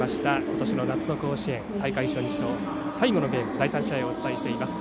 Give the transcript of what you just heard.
今年の夏の甲子園大会初日の最後のゲーム第３試合をお伝えしています。